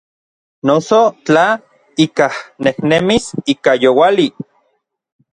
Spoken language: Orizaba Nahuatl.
Noso tla ikaj nejnemis ika youali.